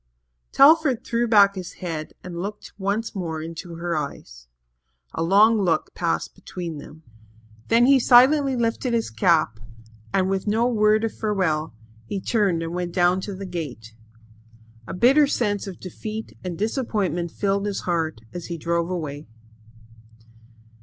Telford threw back his head and looked once more into her eyes. A long look passed between them. Then he silently lifted his cap and, with no word of farewell, he turned and went down to the gate. A bitter sense of defeat and disappointment filled his heart as he drove away.